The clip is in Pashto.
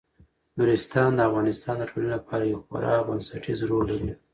نورستان د افغانستان د ټولنې لپاره یو خورا بنسټيز رول لري.